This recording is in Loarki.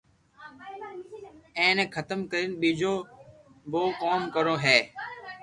ايني ختم ڪرين بيجو بو ڪوم ڪروُ ھي